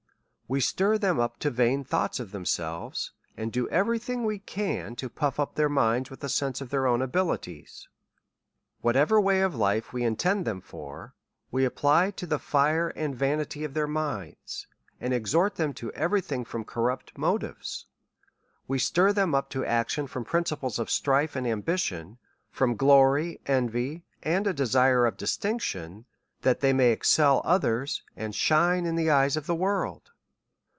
We stir them up to vain thoughts of themselves, and do every thing we can, to puff up their minds with a sense of their own abihties. Whatever way of life we intend them for, we apply to the fire and vanity of their minds, and exhort them to every thing from corrupt motives : We stir them up to action from principles of strife and ambition, from glory, envy, and a desire of distinction, that they may excel others, and shine in the eyes of the world.